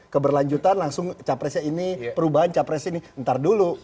keberlanjutan langsung capresnya ini perubahan capres ini ntar dulu